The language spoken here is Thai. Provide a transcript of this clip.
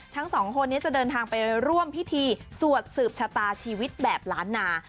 ทั้งสองคนนี้จะเดินทางไปร่วมพิธีสวดสืบชะตาชีวิตแบบล้านนา